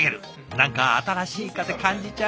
何か新しい風感じちゃう。